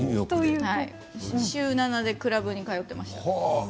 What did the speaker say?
週７でクラブに通っていました。